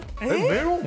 メロン？